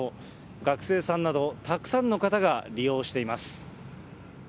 学生さんなど、たくさんの方が利用しています。